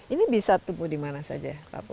ini bisa tumbuh di mana saja